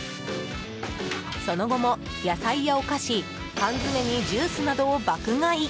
その後も野菜やお菓子缶詰にジュースなどを爆買い！